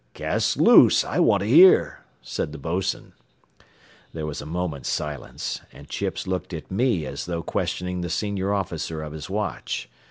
"Cast loose; I want to hear," said the bos'n. There was a moment's silence, and Chips looked at me as though questioning the senior officer of his watch.